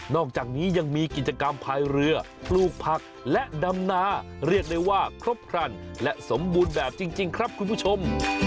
อกจากนี้ยังมีกิจกรรมพายเรือปลูกผักและดำนาเรียกได้ว่าครบครันและสมบูรณ์แบบจริงครับคุณผู้ชม